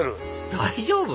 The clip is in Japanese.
大丈夫？